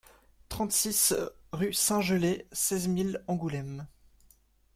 trente-six rue Saint-Gelais, seize mille Angoulême